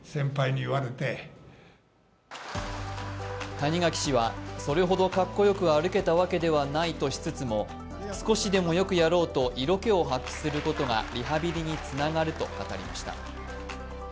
谷垣氏はそれほどかっこよく歩けたわけではないとしつつ少しでもよくやろうと色気を発揮することがリハビリにつながると語りました。